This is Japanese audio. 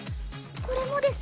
これもです